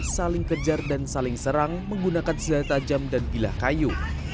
saling kejar dan saling serang menggunakan senjata tajam dan bilah kayu